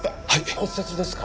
骨折ですか？